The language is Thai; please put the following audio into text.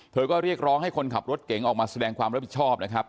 ก็เรียกร้องให้คนขับรถเก๋งออกมาแสดงความรับผิดชอบนะครับ